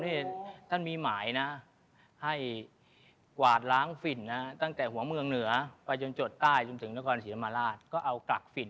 โลหะธรรมดาวิทยาศิลปุ่นในไปการที่สามเนี่ย